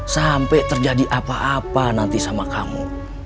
sampai terjadi apa apa nanti sama kamu